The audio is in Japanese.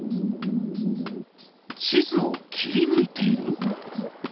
地図を切りぬいている？